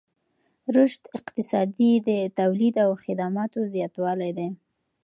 رشد اقتصادي د تولید او خدماتو زیاتوالی دی.